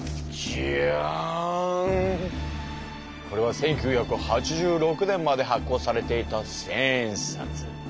これは１９８６年まで発行されていた千円札！